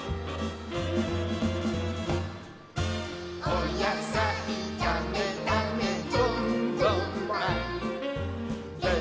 「おやさいだめだめどんどんまい」